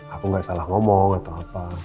aku nggak salah ngomong atau apa